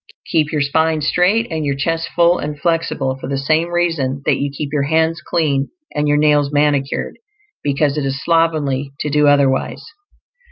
Keep your spine straight, and your chest full and flexible for the same reason that you keep your hands clean and your nails manicured; because it is slovenly to do otherwise.